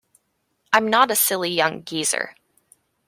I'm not a silly young geezer.